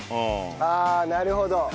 ああなるほど。